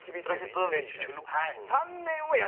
１年に対して。